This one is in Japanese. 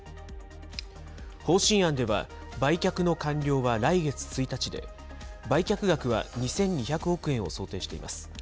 方針案では、売却の完了は来月１日で、売却額は２２００億円を想定しています。